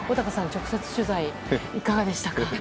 直接取材いかがでしたか？